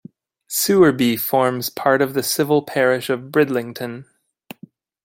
Sewerby forms part of the civil parish of Bridlington.